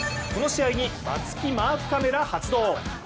この試合に松木マークカメラ発動。